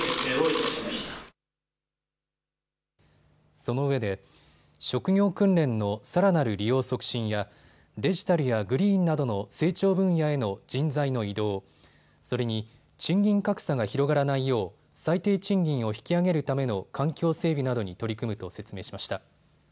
そのうえで職業訓練のさらなる利用促進やデジタルやグリーンなどの成長分野への人材の移動、それに賃金格差が広がらないよう最低賃金を引き上げるための環境整備などに取り組むと説明しました。